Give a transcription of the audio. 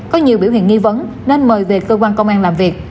có nhiều biểu hiện nghi vấn nên mời về cơ quan công an làm việc